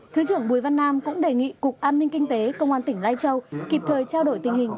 thứ trưởng bùi văn nam cũng đề nghị cục an ninh kinh tế công an tỉnh lai châu kịp thời trao đổi tình hình